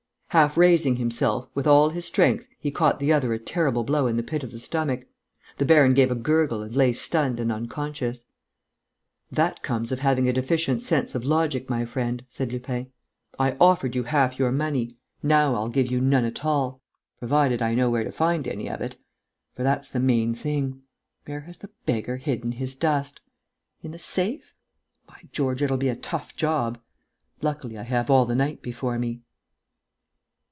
Half raising himself, with all his strength he caught the other a terrible blow in the pit of the stomach. The baron gave a gurgle and lay stunned and unconscious. "That comes of having a deficient sense of logic, my friend," said Lupin. "I offered you half your money. Now I'll give you none at all ... provided I know where to find any of it. For that's the main thing. Where has the beggar hidden his dust? In the safe? By George, it'll be a tough job! Luckily, I have all the night before me...."